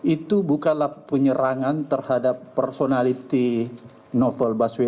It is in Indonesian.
itu bukanlah penyerangan terhadap personality novel baswedan